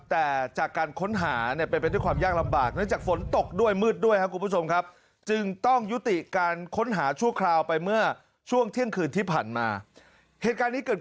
แต่จากการค้นหาเนี่ยเป็นเป็นด้วยความยากลำบาก